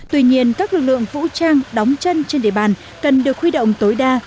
tuy nhiên các lực lượng vũ trang đóng chân trên địa bàn cần được khuy động tối đa